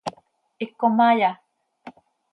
¿Hipcom haaya?